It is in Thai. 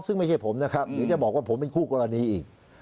ซึ่งไม่ใช่ผมนะครับเดี๋ยวจะบอกว่าผมเป็นคู่กรณีอีก